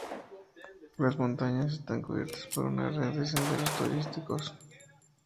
Las montañas están cubiertas por una red de senderos turísticos.